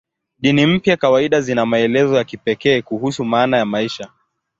Dini mpya kawaida zina maelezo ya kipekee kuhusu maana ya maisha.